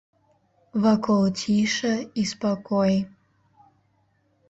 Вакол ціша і спакой.